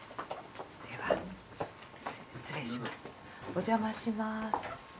お邪魔します。